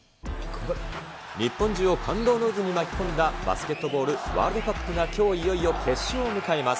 日本中を感動の渦に巻き込んだバスケットボールワールドカップが、きょういよいよ決勝を迎えます。